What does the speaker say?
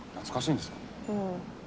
うん。